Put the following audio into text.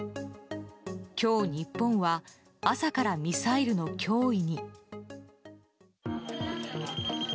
今日日本は朝からミサイルの脅威に。